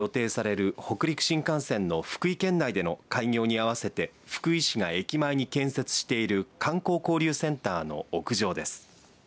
恐竜のモニュメントが設置されたのは再来年、春に予定される北陸新幹線の福井県内での開業に合わせて福井市が駅前に建設している観光交流センターの屋上です。